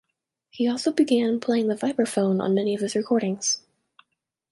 He also began playing the vibraphone on many of his recordings.